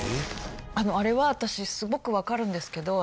あのあれは私すごくわかるんですけど。